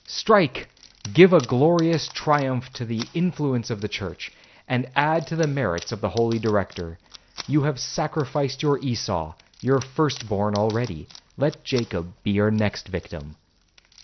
Strike! give a glorious triumph to the influence of the church, and add to the merits of the holy Director. You have sacrificed your Esau, your first born, already, let Jacob be your next victim.'